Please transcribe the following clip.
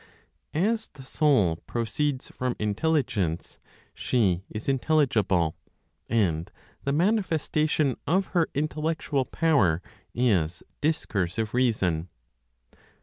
As the Soul proceeds from Intelligence, she is intelligible; and the manifestation of her intellectual power is discursive reason.